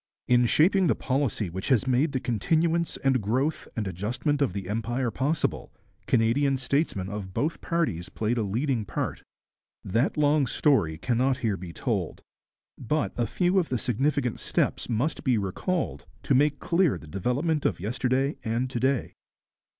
In shaping the policy which made the continuance and growth and adjustment of the Empire possible, Canadian statesmen of both parties played a leading part. That long story cannot here be told, but a few of the significant steps must be recalled, to make clear the development of yesterday and to day.